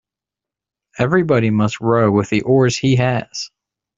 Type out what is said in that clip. Everybody must row with the oars he has.